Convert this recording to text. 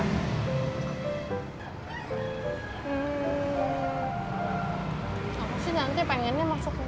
aku sih nanti pengennya masuk